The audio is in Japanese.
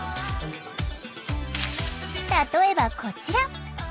例えばこちら。